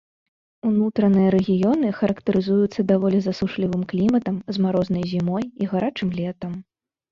Унутраныя рэгіёны характарызуюцца даволі засушлівым кліматам з марознай зімой і гарачым летам.